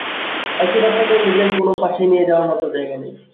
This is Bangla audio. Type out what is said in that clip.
একটা বাচ্চাকে নিজের কোন পাশেই নিয়ে যাওয়ার মত জায়গা নেই।